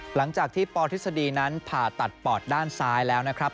หลังจากที่ปทฤษฎีนั้นผ่าตัดปอดด้านซ้ายแล้วนะครับ